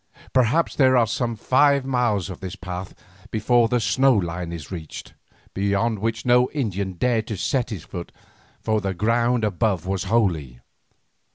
Perhaps there are some five miles of this path before the snow line is reached, beyond which no Indian dared to set his foot, for the ground above was holy.